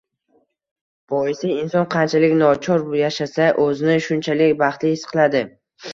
Boisi inson qanchalik nochor yashasa, o`zini shunchalik baxtli his qiladi